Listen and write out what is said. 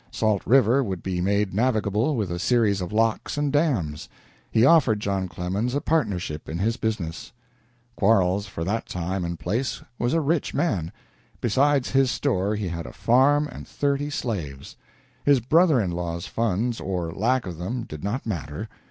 Salt River would be made navigable with a series of locks and dams. He offered John Clemens a partnership in his business. Quarles, for that time and place, was a rich man. Besides his store he had a farm and thirty slaves. His brother in law's funds, or lack of them, did not matter.